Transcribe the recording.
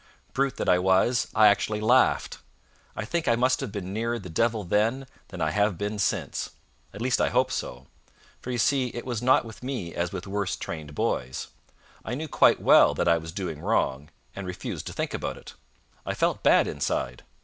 Brute that I was, I actually laughed. I think I must have been nearer the devil then than I have been since. At least I hope so. For you see it was not with me as with worse trained boys. I knew quite well that I was doing wrong, and refused to think about it. I felt bad inside.